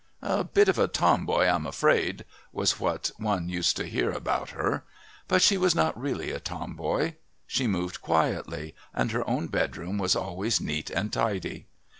"A bit of a tomboy, I'm afraid," was what one used to hear about her. But she was not really a tomboy; she moved quietly, and her own bedroom was always neat and tidy.